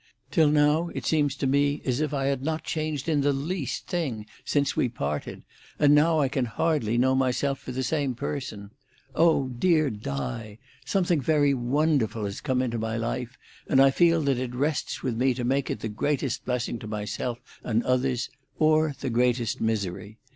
Till now it seems to me as if I had not changed in the least thing since we parted, and now I can hardly know myself for the same person. O dear Di! something very wonderful has come into my life, and I feel that it rests with me to make it the greatest blessing to myself and others, or the greatest misery.